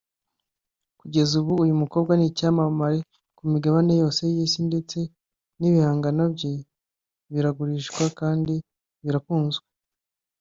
Kugeza ubu uyu mukobwa ni icyamamare ku migabane yose y’isi ndetse n’ibihangano bye biragurishwa kandi birakunzwe